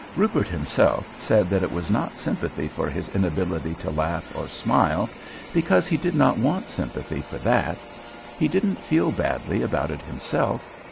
Rupert himself said that it was not sympathy for his inability to laugh or smile, because he did not want sympathy for that. He didn't feel badly about it himself.